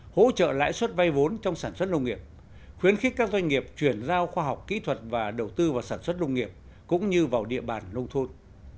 hỗ trợ lãi suất vay vốn trong sản xuất nông nghiệp khuyến khích các doanh nghiệp chuyển giao khoa học kỹ thuật và đầu tư vào sản xuất nông nghiệp cũng như vào địa bàn nông thôn